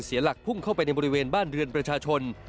หลักพุ่งเข้าไปในบริเวณบ้านเรือนประชาชน